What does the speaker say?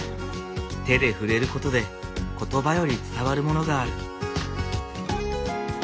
手で触れることで言葉より伝わるものがある。